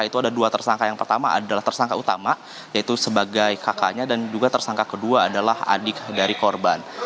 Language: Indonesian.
itu ada dua tersangka yang pertama adalah tersangka utama yaitu sebagai kakaknya dan juga tersangka kedua adalah adik dari korban